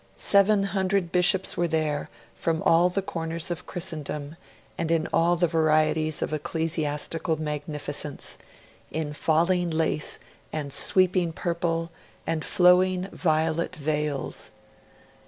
Seven hundred bishops were there from all the corners of Christendom, and in all the varieties of ecclesiastical magnificence in falling lace and sweeping purple and flowing violet veils.